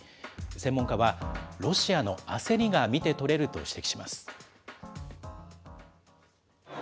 専門家は、ロシアの焦りが見て取れると指摘します。